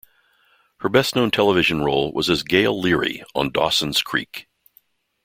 Her best known television role was as Gail Leery on "Dawson's Creek".